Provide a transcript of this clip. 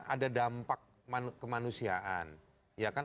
ada dampak kemanusiaan